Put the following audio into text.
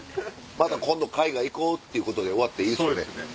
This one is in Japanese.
また今度海外行こうっていうことで終わっていいですよね。